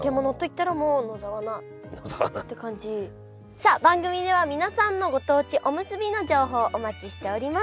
さあ番組では皆さんのご当地おむすびの情報をお待ちしております。